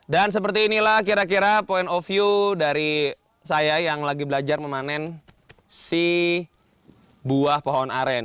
dan seperti inilah kira kira pon ovio dari saya yang lagi belajar memanen si buah pohon aren